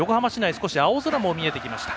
少し青空も見えてきました。